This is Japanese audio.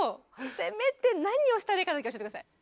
せめて何をしたらいいかだけ教えて下さい。